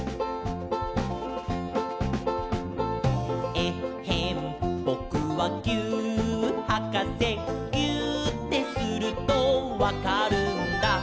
「えっへんぼくはぎゅーっはかせ」「ぎゅーってするとわかるんだ」